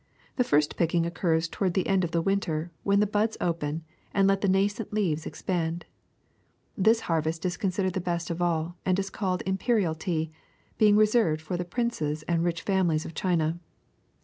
The first picking occurs toward the end of winter, when the buds open and let the nascent leaves expand. This harvest, considered the best of all, is called im perial tea, being reserved for the princes and rich families of China.